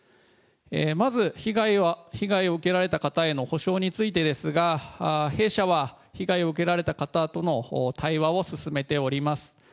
まず被害を受けられた方への補償についてですが、弊社は被害を受けられた方との対話を進めております。